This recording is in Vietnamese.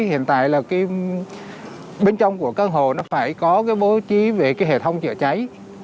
hiện tại bên trong của căn hồ nó phải có bố trí về hệ thống chữa cháy